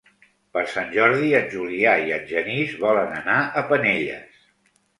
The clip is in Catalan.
Per Sant Jordi en Julià i en Genís volen anar a Penelles.